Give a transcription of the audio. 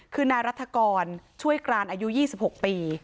คือนายรัฐกรช่วยกรานอายุ๒๖ปี